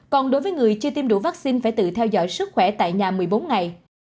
còn đối với người chưa tiêm đủ vaccine phải tự theo dõi sức khỏe tại nhà một mươi bốn ngày